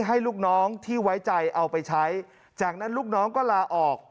ให้ลูกน้องที่ไว้ใจเอาไปใช้จากนั้นลูกน้องก็ลาออก